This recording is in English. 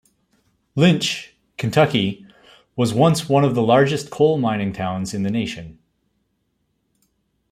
Lynch, Kentucky, was once one of the largest coal mining towns in the nation.